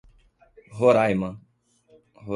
Roraima